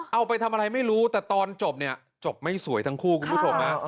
เอาไปทำอะไรไม่รู้แต่ตอนจบเนี่ยจบไม่สวยทั้งคู่คุณผู้ชม